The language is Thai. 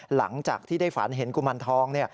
หลังจากที่ได้ฝันเห็นกุมารทอง